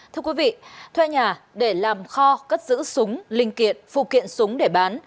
thưa quý vị thuê nhà để làm kho cất giữ súng linh kiện phụ kiện súng để bán